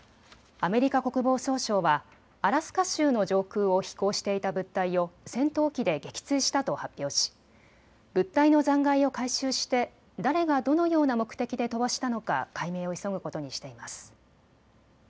アメリカ国防総省はアラスカ州の上空を飛行していた物体を戦闘機で撃墜したと発表し物体の残骸を回収して誰がどのような目的で飛ばしたのか解明を急ぐことにしています。